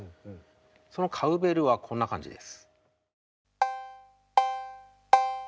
そのカウベルはこんな感じです。